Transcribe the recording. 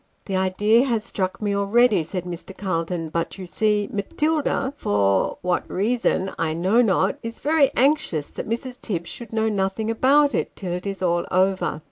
"The idea has struck me already," said Mr. Calton: "but, you see, Matilda, for what reason I know not, is very anxious that Mrs. Tibbs should know nothing about it, till it's all over.